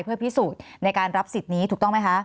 เพื่อพิสูจน์ในการรับสิทธิ์นี้ถูกต้องไหมคะ